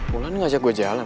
bulan ngajak gue jalan